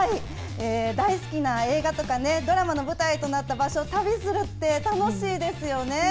大好きな映画とかドラマの舞台となった場所を旅するって楽しいですよね。